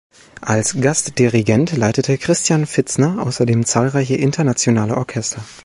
Als Gastdirigent leitete Christian Fitzner außerdem zahlreiche internationale Orchester.